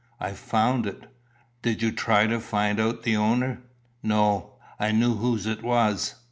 "I found it." "Did you try to find out the owner?" "No. I knew whose it was."